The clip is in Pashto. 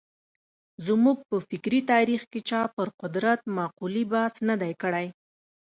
زموږ په فکري تاریخ کې چا پر قدرت مقولې بحث نه دی کړی.